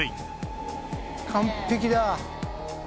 完璧だ。